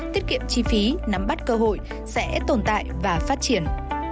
tiết kiệm chi phí nắm bắt cơ hội sẽ tồn tại và phát triển